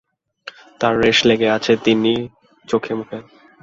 তার রেশ লেগে আছে তিন্নির চোখে-মুখে।